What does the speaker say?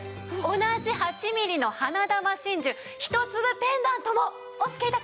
同じ８ミリの花珠真珠１粒ペンダントもお付け致します。